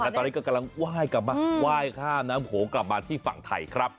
ตอนนี้ก็กำลังไหว้กลับมาไหว้ข้ามน้ำโขงกลับมาที่ฝั่งไทยครับ